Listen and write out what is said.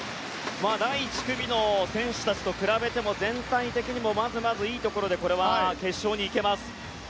第１組の選手たちと比べても全体的にもまずまずいいところで決勝に行けます。